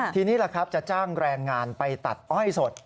ทีนี้ล่ะครับจะจ้างแรงงานไปตัดอ้อยสด